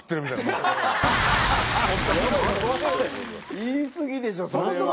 言いすぎでしょそれは。